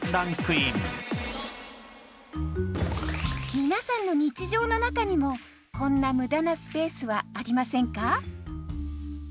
皆さんの日常の中にもこんな無駄なスペースはありませんか？